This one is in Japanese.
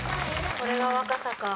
これが若さか。